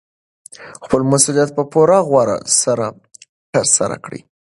خپل مسوولیت په پوره غور سره ترسره کړئ.